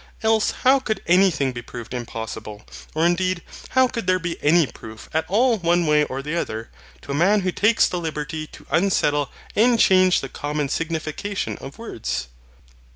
Else how could anything be proved impossible? Or, indeed, how could there be any proof at all one way or other, to a man who takes the liberty to unsettle and change the common signification of words?